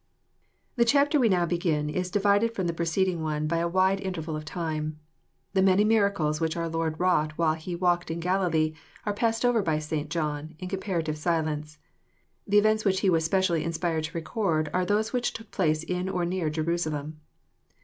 The chapter we now begin is divided from the preceding one by a wide interval of time. The many miracles which our Lord wrought, while He "walked in Galilee," are passed over by St. John in comparative silence. The events which he was specially inspired to record are those which took place in or near Jerusalem.